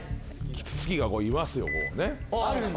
キツツキがいますよ。